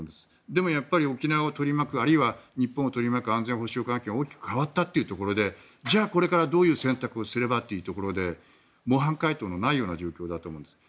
でも、沖縄を取り巻くあるいは日本を取り巻く安全保障環境が大きく変わったというところでじゃあこれからどういう選択をすればというところで模範解答のないような状況だと思うんです。